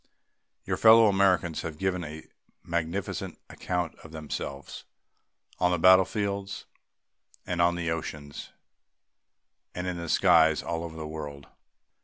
Your fellow Americans have given a magnificent account of themselves on the battlefields and on the oceans and in the skies all over the world.